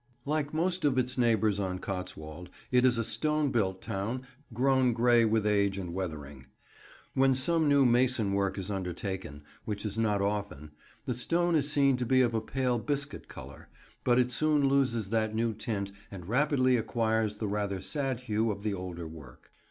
Like most of its neighbours on Cotswold, it is a stone built town, grown grey with age and weathering. When some new mason work is undertaken—which is not often—the stone is seen to be of a pale biscuit colour; but it soon loses that new tint and rapidly acquires the rather sad hue of the older work.